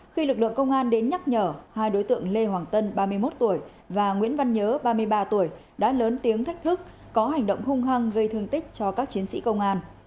khi lực lượng công an đến nhắc nhở hai đối tượng lê hoàng tân ba mươi một tuổi và nguyễn văn nhớ ba mươi ba tuổi đã lớn tiếng thách thức có hành động hung hăng gây thương tích cho các chiến sĩ công an